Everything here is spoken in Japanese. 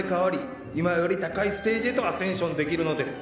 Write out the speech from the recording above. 今より高いステージへとアセンションできるのです。